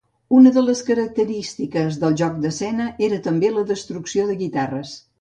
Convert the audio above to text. Una de les característiques del joc d'escena era també la destrucció de guitarres.